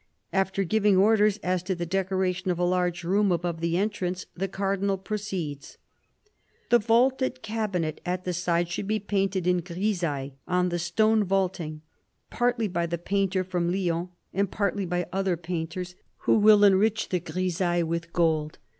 After giving orders as to the decoration of a large room above the entrance, the Cardinal proceeds :" The vaulted cabinet at the side should be painted in grisaille on the stone vaulting, partly by the painter from Lyons, and partly by other painters, who will enrich the THE CARDINAL 237 grisaille with gold.